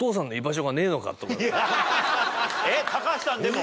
えっ高橋さんでも？